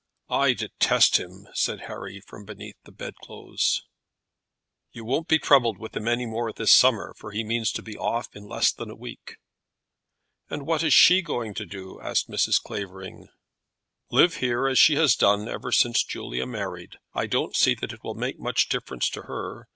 "I detest him," said Harry, from beneath the bedclothes. "You won't be troubled with him any more this summer, for he means to be off in less than a week." "And what is she to do?" asked Mrs. Clavering. "Live here as she has done ever since Julia married. I don't see that it will make much difference to her.